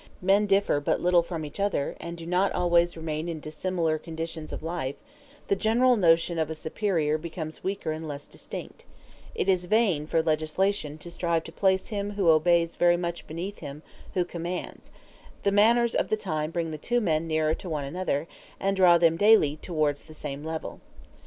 When, on the contrary, men differ but little from each other, and do not always remain in dissimilar conditions of life, the general notion of a superior becomes weaker and less distinct: it is vain for legislation to strive to place him who obeys very much beneath him who commands; the manners of the time bring the two men nearer to one another, and draw them daily towards the same level.